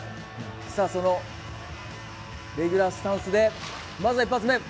そのレギュラースタンスで、まずは１発目。